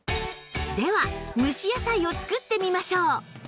では蒸し野菜を作ってみましょう